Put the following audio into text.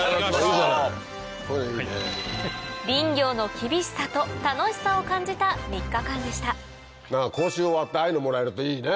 林業の厳しさと楽しさを感じた３日間でした講習終わってああいうのもらえるといいね。